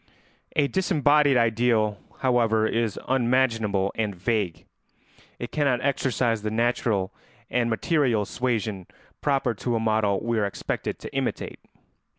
] A disembodied ideal, however, is unmanageable and vague; it cannot exercise the natural and material suasion proper to a model we are expected to imitate.